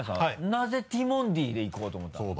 なぜティモンディでいこうと思ったんですか？